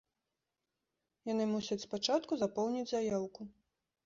Яны мусяць спачатку запоўніць заяўку.